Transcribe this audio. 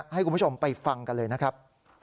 ให้คุณผู้ชมไปฟังกันเลยนะครับ